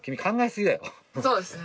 そうですね。